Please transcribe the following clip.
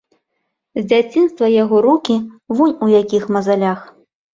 З дзяцінства яго рукі вунь у якіх мазалях.